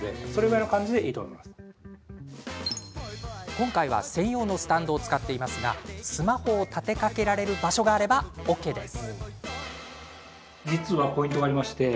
今回は専用のスタンドを使っていますがスマホを立てかけられる場所があればＯＫです。